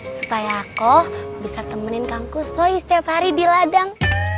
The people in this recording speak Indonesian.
supaya aku bisa temenin kangkusoi setiap hari di ladang